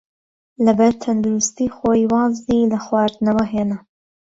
لەبەر تەندروستیی خۆی وازی لە خواردنەوە هێنا.